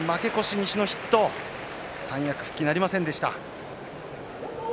西の筆頭、三役復帰はなりませんでした。